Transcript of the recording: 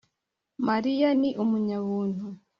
Mariya ni umunyabuntu